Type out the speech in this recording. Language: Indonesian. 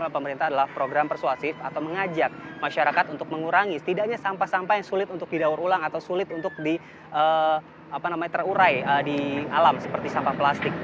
karena pemerintah adalah program persuasif atau mengajak masyarakat untuk mengurangi setidaknya sampah sampah yang sulit untuk didaur ulang atau sulit untuk di terurai di alam seperti sampah plastik